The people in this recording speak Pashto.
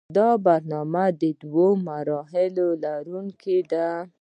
دا برنامه د دوو مرحلو لرونکې ده.